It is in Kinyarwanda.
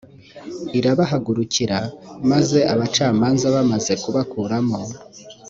irabahagurukira maze abacamanza bamaze kubakuramo